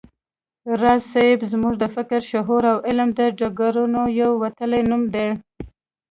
راز صيب زموږ د فکر، شعور او علم د ډګرونو یو وتلی نوم و